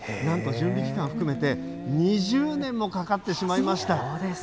なんと準備期間含めて、２０年もかかってしまいました。